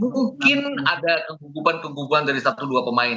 mungkin ada kegugupan keguguhan dari satu dua pemain